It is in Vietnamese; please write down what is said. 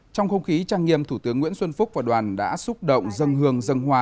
trong không khí trang nghiêm thủ tướng nguyễn xuân phúc và đoàn đã xúc động dân hương dân hòa